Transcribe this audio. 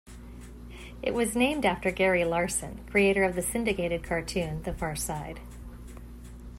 It was named after Gary Larson, creator of the syndicated cartoon The Far Side.